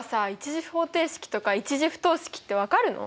１次方程式とか１次不等式って分かるの？